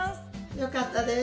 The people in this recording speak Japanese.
よかったです。